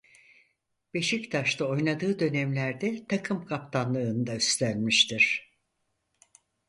Beşiktaş'ta oynadığı dönemlerde takım kaptanlığını da üstlenmiştir.